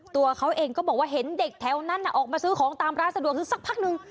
ตัวเขาเองก็บอกว่าเห็นเด็กแถวนั้นออกมาซื้อของตามร้านสะดวกซื้อสักพักนึง